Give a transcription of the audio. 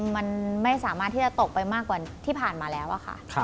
มันไม่สามารถที่จะตกไปมากกว่าที่ผ่านมาแล้วอะค่ะ